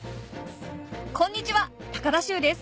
こんにちは高田秋です